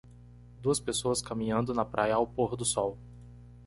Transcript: Duas pessoas caminhando na praia ao pôr do sol.